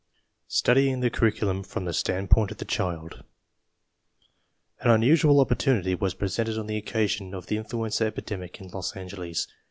STUDYING THE CURRICULUM FROM THE STANDPOINT OF THE CHILD An unusual opportunity was presented on the occasion of the influenza epidemic in Los Angeles.